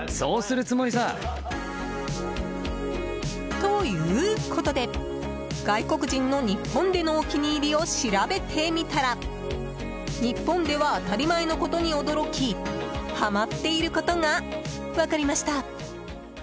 ということで外国人の日本でのお気に入りを調べてみたら日本では当たり前のことに驚きハマっていることが分かりました。